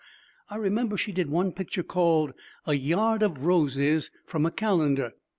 I remember she did one picture called A yard of Roses, from a calendar.